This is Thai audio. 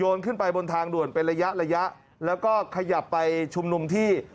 ขึ้นไปบนทางด่วนเป็นระยะระยะแล้วก็ขยับไปชุมนุมที่